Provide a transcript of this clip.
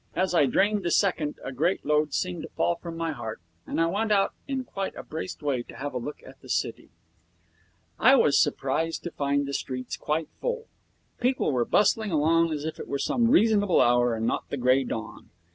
As I drained the second a great load seemed to fall from my heart, and I went out in quite a braced way to have a look at the city. I was surprised to find the streets quite full. People were bustling along as if it were some reasonable hour and not the grey dawn.